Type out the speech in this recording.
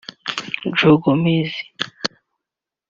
Joe Gomez